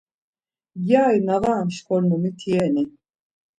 Gyari na var amşkornu miti reni?